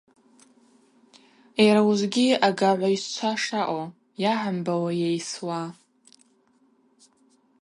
Йара уыжвгьи агагӏв айщчва шаъу – йагӏымбауа, йайсуа.